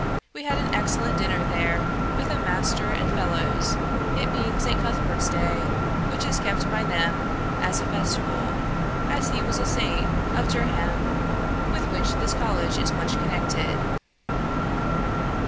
We had an excellent dinner there, with the Master and Fellows, it being St. Cuthbert's day, which is kept by them as a festival, as he was a saint of Durham, with which this college is much connected.